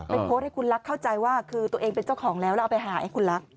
เป็นโพสต์ให้คุณลักษมณ์เข้าใจว่าคือตัวเองเป็นเจ้าของแล้วแล้วเอาไปหาไอ้คุณลักษมณ์